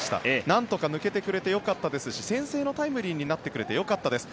なんとか抜けてくれてよかったですし先制のタイムリーになってくれてよかったです。